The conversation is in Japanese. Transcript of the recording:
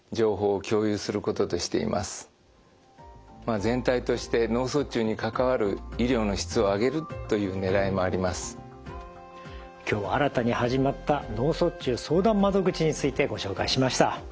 全体として今日は新たに始まった脳卒中相談窓口についてご紹介しました。